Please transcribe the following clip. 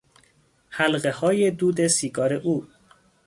حلقههای دود سیگار او